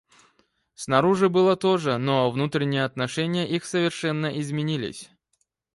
Снаружи было то же, но внутренние отношения их совершенно изменились.